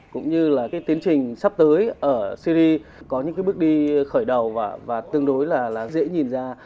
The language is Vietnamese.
cũng như là cái tiến trình sắp tới ở syri có những cái bước đi khởi đầu và tương đối là dễ nhìn ra